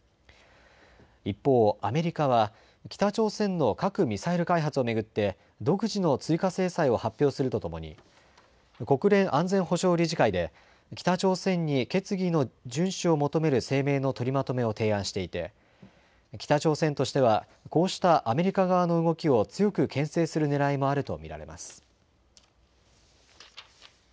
一方、アメリカは北朝鮮の核・ミサイル開発を巡って独自の追加制裁を発表するとともに国連安全保障理事会で北朝鮮に決議の順守を求める声明の取りまとめを提案していて北朝鮮としては、こうしたアメリカ側の動きを強くけん制するねらいもあると見られます。